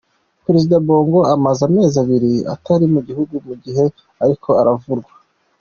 Prezida Bongo amaze amezi abiri atari mu gihugu, mu gihe ariko aravurwa.